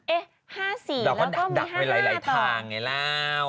เอ๊ะ๕๔แล้วก็ไม่๕๕ต่อแล้วก็ดักไว้หลายทางไงแล้ว